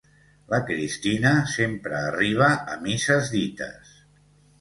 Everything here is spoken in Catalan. La Cristina sempre arriba a misses dites.